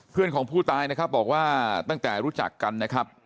เพื่อนของผู้ตายนะครับบอกว่าตั้งแต่รู้จักกันนะครับ